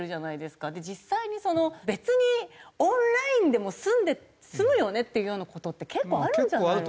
実際に別にオンラインでも済むよねっていうような事って結構あるんじゃないのかなって。